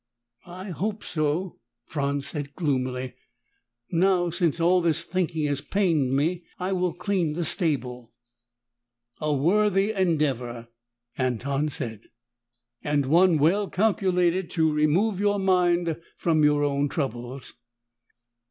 "I hope so," Franz said gloomily. "Now, since all this thinking has pained me, I will clean the stable." "A worthy endeavor," Anton said, "and one well calculated to remove your mind from your own troubles."